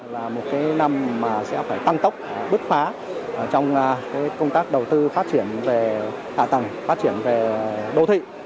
là một năm mà sẽ phải tăng tốc bứt phá trong công tác đầu tư phát triển về hạ tầng phát triển về đô thị